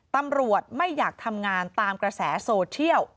ตำรวจไม่อยากทำงานตามกระแสโซเชียล